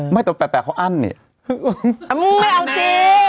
ไม่แต่แปลกเขาอั้นเนี่ยอ้าวไม่เอาสิ